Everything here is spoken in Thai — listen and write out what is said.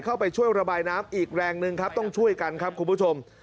เข้าไปช่วยระบายน้ำอีกแรงหนึ่งครับต้องช่วยกันครับคุณผู้ชม